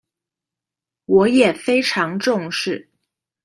我也非常重視